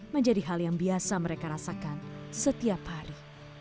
menjadi hal yang biasa mereka rasakan setiap hari